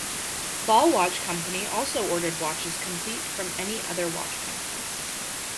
Ball Watch Company also ordered watches complete from other watch companies.